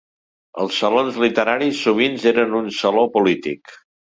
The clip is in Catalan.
Els salons literaris sovint eren un saló polític.